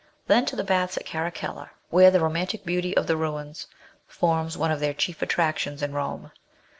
Then to the baths of Caracalla, where the romantic beauty of the ruins forms one of their chief attractions in Rome.